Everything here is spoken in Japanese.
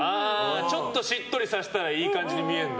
ちょっとしっとりさせたらいい感じに見えるんだ。